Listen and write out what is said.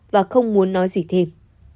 và không muốn nói gì thêm